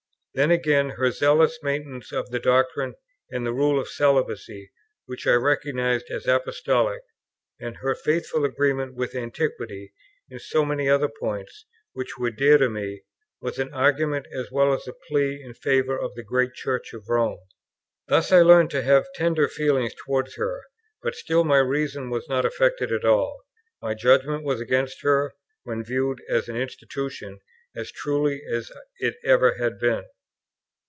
Then, again, her zealous maintenance of the doctrine and the rule of celibacy, which I recognized as Apostolic, and her faithful agreement with Antiquity in so many other points which were dear to me, was an argument as well as a plea in favour of the great Church of Rome. Thus I learned to have tender feelings towards her; but still my reason was not affected at all. My judgment was against her, when viewed as an institution, as truly as it ever had been.